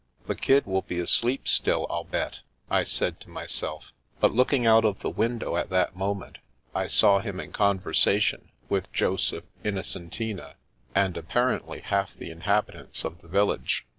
" The kid will be asleep still, I'll bet," I said to myself ; but looking out of the window at that mo ment, I saw him in conversation with Joseph, Inno centina, and — apparently — ^half the inhabitants of the village.